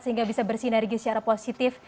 sehingga bisa bersinergi secara positif